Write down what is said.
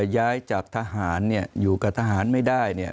ย้ายจากทหารเนี่ยอยู่กับทหารไม่ได้เนี่ย